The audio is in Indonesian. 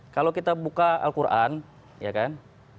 kalau kita buka al quran ya kan